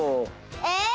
えっ！